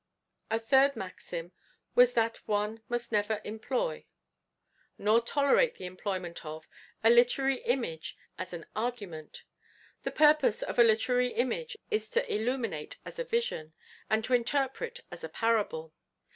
A third maxim was that one must never employ, nor tolerate the employment of, a literary image as an argument. The purpose of a literary image is to illuminate as a vision, and to interpret as a parable.